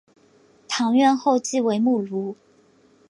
堂院后即为墓庐。